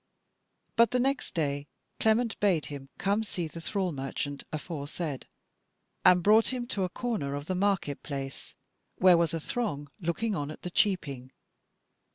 But the next day Clement bade him come see that thrall merchant aforesaid, and brought him to a corner of the market place, where was a throng looking on at the cheaping.